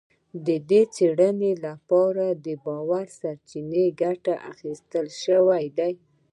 د دې څېړنې لپاره له باوري سرچینو ګټه اخیستل شوې ده